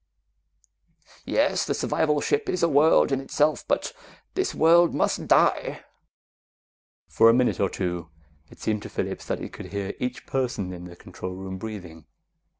"Yes, the survival ship is a world in itself, but this world must die!" For a minute or two, it seemed to Phillips that he could hear each person in the control room breathing.